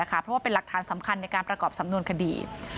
เพราะว่าเป็นหลักฐานสำคัญในการประกอบสำนวนคดี